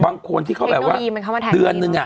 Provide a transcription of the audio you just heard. บางคนที่เขาแบบว่าเดือนนึง